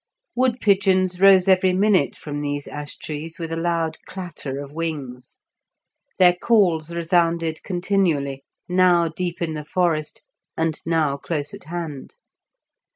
Wood pigeons rose every minute from these ash trees with a loud clatter of wings; their calls resounded continually, now deep in the forest, and now close at hand.